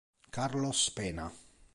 Carlos Peña